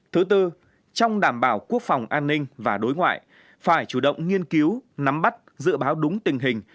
thứ tư trong đảm bảo quốc phòng an ninh và đối ngoại phải chủ động nghiên cứu nắm bắt dự báo đúng tình hình